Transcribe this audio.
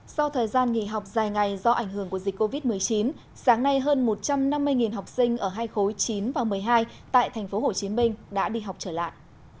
sau thời gian nghỉ học dài ngày do ảnh hưởng của dịch covid một mươi chín sáng nay hơn một trăm năm mươi học sinh ở hai khối chín và một mươi hai tại tp hcm đã đi học trở lại